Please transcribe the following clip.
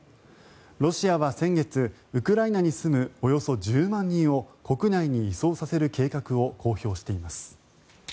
ロシアは先月、ウクライナに住むおよそ１０万人を国内に移送させる計画を公表しています。